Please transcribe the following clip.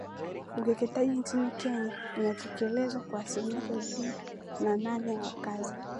Ukeketaji nchini Kenya unatekelezwa kwa asilimia thelathini na nane ya wakazi